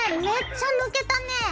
めっちゃ抜けたね。